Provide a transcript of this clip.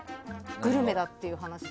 グルメだっていう話。